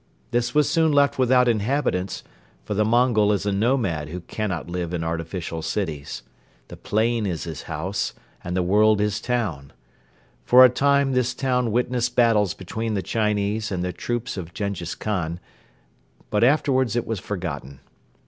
This was soon left without inhabitants, for the Mongol is a nomad who cannot live in artificial cities. The plain is his house and the world his town. For a time this town witnessed battles between the Chinese and the troops of Jenghiz Khan but afterwards it was forgotten.